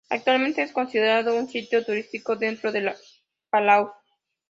Actualmente es considerado un sitio turístico dentro de Palaos.